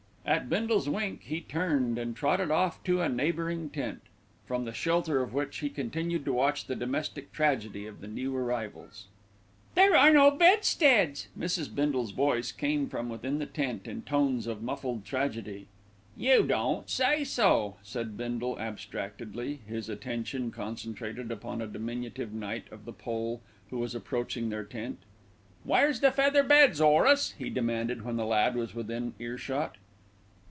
At Bindle's wink he turned and trotted off to a neighbouring tent, from the shelter of which he continued to watch the domestic tragedy of the new arrivals. "There are no bedsteads." Mrs. Bindle's voice came from within the tent in tones of muffled tragedy. "You don't say so," said Bindle abstractedly, his attention concentrated upon a diminutive knight of the pole, who was approaching their tent. "Where's the feather beds, 'Orace?" he demanded when the lad was within ear shot.